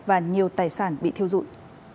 và nhiều tài sản bị thiêu dụng